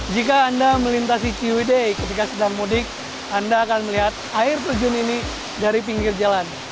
jika anda melintasi ciwide ketika sedang mudik anda akan melihat air terjun ini dari pinggir jalan